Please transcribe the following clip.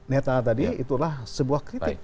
neta tadi itulah sebuah kritik